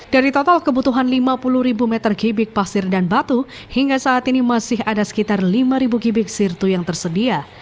dari total kebutuhan lima puluh ribu meter kibik pasir dan batu hingga saat ini masih ada sekitar lima kibik sirtu yang tersedia